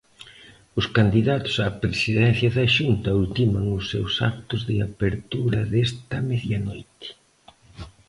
Os candidatos á Presidencia da Xunta ultiman os seus actos de apertura desta medianoite.